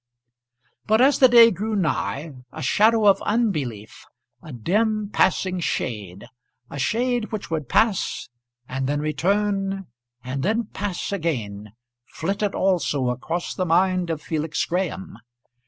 But, as the day grew nigh, a shadow of unbelief, a dim passing shade a shade which would pass, and then return, and then pass again flitted also across the mind of Felix Graham.